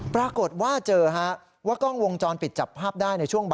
ปรากฏว่าเจอค่ะ